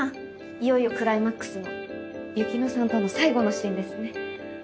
いよいよクライマックスの雪乃さんとの最後のシーンですね。